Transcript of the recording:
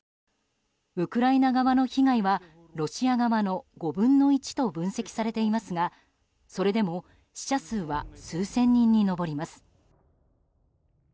ウクライナ側の被害はロシア側の５分の１と分析されていますがそれでも死者数は数千人に上ります。